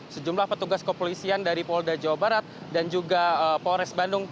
sejumlah petugas kepolisian dari polda jawa barat dan juga polres bandung